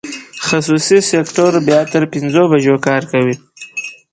خصوصي سکټور بیا تر پنځو بجو کار کوي.